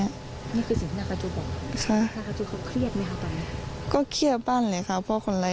นี่คือสิ่งที่นาคาจูบอกนาคาจูเขาเครียดไหมครับตอนนี้